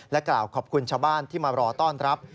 กล่าวขอบคุณชาวบ้านที่มารอต้อนรับ